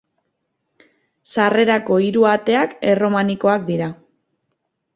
Sarrerako hiru ateak erromanikoak dira.